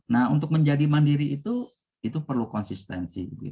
nah untuk menjadi mandiri itu perlu konsistensi